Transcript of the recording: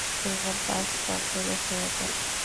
এবার, কাজটা করে ফেলা যাক।